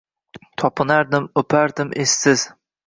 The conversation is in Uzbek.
Topinardim, o’pardim… esiz!